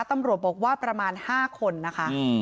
ตำรวจบอกว่าประมาณ๕คนนะคะ